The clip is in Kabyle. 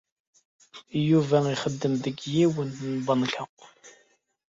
Yuba ixeddem deg yiwen n tbanka.